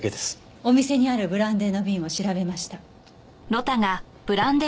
お店にあるブランデーの瓶を調べました。